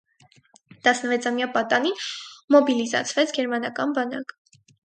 Տասնվեցամյա պատանին մոբիլիզացվեց գերմանական բանակ։